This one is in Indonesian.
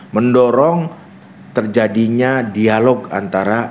mendorong terjadinya dialog antara